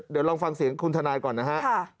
เดี๋ยวลองฟังเสียงคุณทนายก่อนนะฮะ